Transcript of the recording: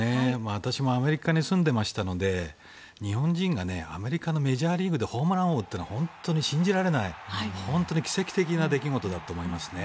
私もアメリカに住んでましたので日本人がアメリカのメジャーリーグでホームラン王というのは本当に信じられない本当に奇跡的な出来事だと思いますね。